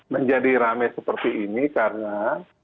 menjadi rame seperti ini karena